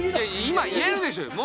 今言えるでしょうよ。